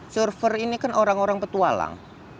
server ini kan orang orang petualang